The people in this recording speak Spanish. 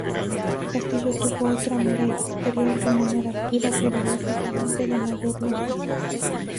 El castillo tuvo otra muralla exterior de menor altura pero, lógicamente, de mayor longitud.